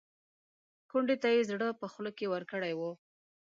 کونډې ته یې زړه په خوله کې ورکړی و.